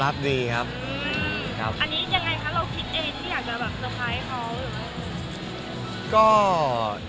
เราคิดเองที่อยากจะสะพายเขา